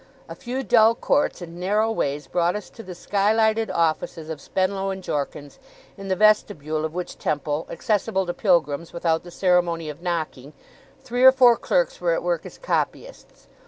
A few dull courts and narrow ways brought us to the sky lighted offices of Spenlow and Jorkins; in the vestibule of which temple, accessible to pilgrims without the ceremony of knocking, three or four clerks were at work as copyists.